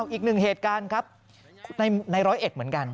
อีกหนึ่งเหตุการณ์ครับในร้อยเอ็ดเหมือนกัน